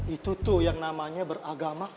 itu tuh yang namanya beragama